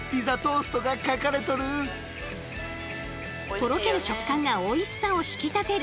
とろける食感がおいしさを引き立てる。